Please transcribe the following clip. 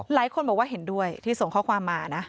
หลายคนบอกว่าเห็นด้วยที่ส่งข้อความมานะ